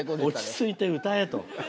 「落ち着いて歌え」と。